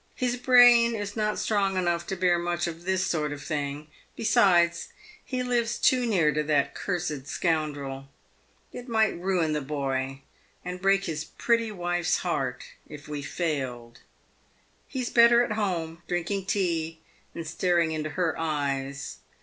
"His brain is not strong enough to bear much of this sort of thing. Besides, he lives too near to that cursed scoundrel. It might ruin the boy, and break his pretty wife's heart, if we failed. He is better at home, drinking tea and staring into her eyes.